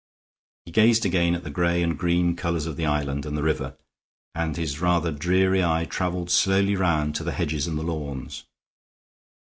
He gazed again at the gray and green colors of the island and the river, and his rather dreary eye traveled slowly round to the hedges and the lawns.